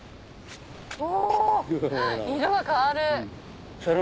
お色が変わる。